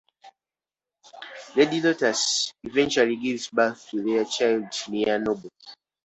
Lady Lotus eventually gives birth to their child Nia Noble.